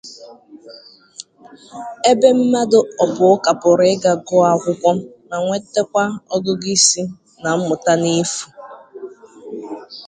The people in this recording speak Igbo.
ebe mmadụ ọbụka pụrụ ịga gụọ akwụkwọ ma nwetakwa ọgụgụisi na mmụta n'efu